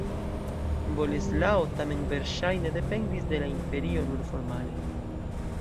Boleslao tamen verŝajne dependis de la imperio nur formale.